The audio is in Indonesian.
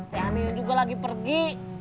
tia ani juga lagi pergi